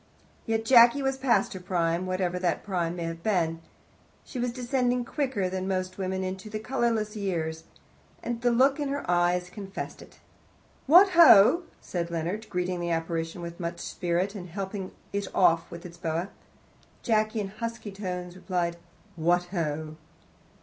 Yes, Jacky was past her prime, whatever that prime may have been. She was descending quicker than most women into the colourless years, and the look in her eyes confessed it. "What ho!" said Leonard, greeting that apparition with much spirit, and helping it off with its boa. Jacky, in husky tones, replied, "What ho!"